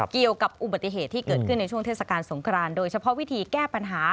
เกี่ยวกับอุบัติเหตุที่เกิดขึ้นในช่วงเทศกาลสงครานโดยเฉพาะวิธีแก้ปัญหา